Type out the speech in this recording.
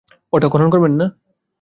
ওটা খনন করবেন না?